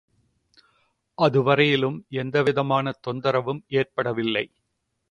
அது வரையிலும் எவ்விதமான தொந்தரவும் ஏற்படவில்லை.